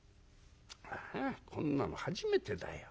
「あこんなの初めてだよ。